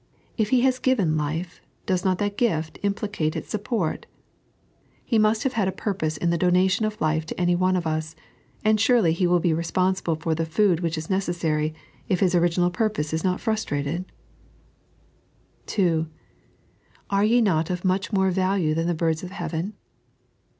If He has given life, does not that gift implicate its supports He must have bad a purpose in the donation of life to any one of us ; and sui'ely He will be responsible for the food which ia neces sary, if His original purpose is not to be frustrated t (2) Are ye not of much more value than the birds of the hea/oen